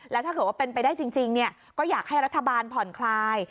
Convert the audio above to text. แล้วถ้าเกิดว่าเป็นไปได้จริงก็อยากให้รัฐบาลผ่อนคลาย